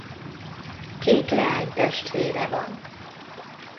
Két leánytestvére van.